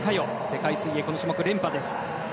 世界水泳、この種目連覇です。